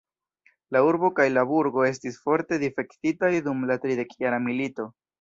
La urbo kaj la burgo estis forte difektitaj dum la tridekjara milito.